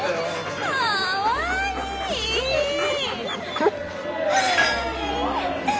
かわいい。